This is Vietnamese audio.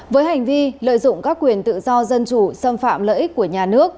với hành vi lợi dụng các quyền tự do dân chủ xâm phạm lợi ích của nhà nước